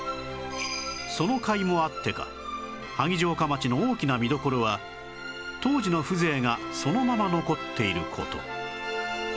そのかいもあってか萩城下町の大きな見どころは当時の風情がそのまま残っている事